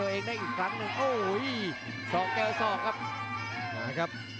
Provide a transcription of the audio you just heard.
โหมดยกที่หนึ่งครับ